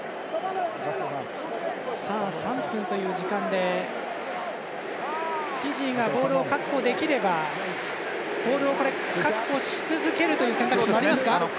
３分という時間でフィジーがボールを確保できればボールを確保し続けるという選択肢はありますか。